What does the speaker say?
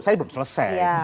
saya belum selesai